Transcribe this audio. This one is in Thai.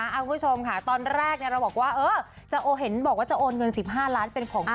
คุณผู้ชมค่ะตอนแรกเราบอกว่าเออจะโอนเงิน๑๕ล้านเป็นของขวัญ